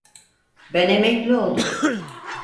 Ben emekli oldum.